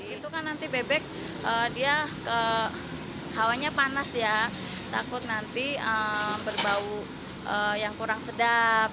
itu kan nanti bebek dia hawanya panas ya takut nanti berbau yang kurang sedap